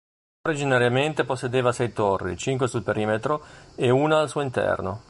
Originariamente possedeva sei torri, cinque sul perimetro e una al suo interno.